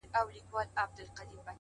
د حقیقت منل د عقل ځواک زیاتوي،